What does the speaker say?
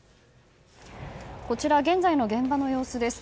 こちら、現在の現場の様子です。